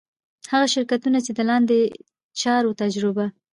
هغه شرکتونه چي د لاندي چارو تجربه